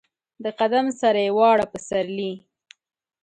د قدم سره یې واړه پسرلي